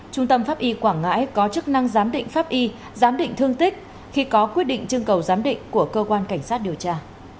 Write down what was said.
trung tâm pháp y quảng ngãi có chức năng giám định pháp y giám định thương tích khi có quyết định trưng cầu giám định của cơ quan cảnh sát điều tra